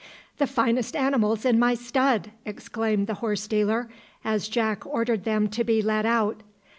"The finest animals in my stud!" exclaimed the horse dealer, as Jack ordered them to be led out.